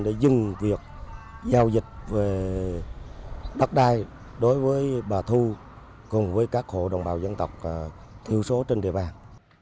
để dừng việc giao dịch về đất đai đối với bà thu cùng với các hộ đồng bào dân tộc thiểu số trên địa bàn